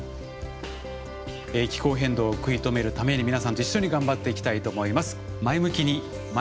気候変動を食い止めるために皆さんと一緒に頑張っていきたいと思います。